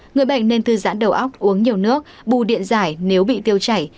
người bệnh nên thư giãn đầu óc uống nhiều nước bù điện giải nếu bị tiêu chảy